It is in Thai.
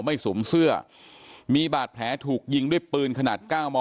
ไม่สูงเสื้อมีบาดแผลถูกยิงด้วยปืนขนาดเก้ามม